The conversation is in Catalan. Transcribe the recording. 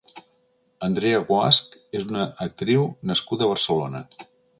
Andrea Guasch és una actriu nascuda a Barcelona.